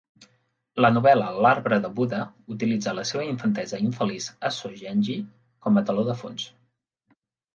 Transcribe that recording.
La novel·la "L'arbre de Buda" utilitza la seva infantesa infeliç a Sogenji com a teló de fons.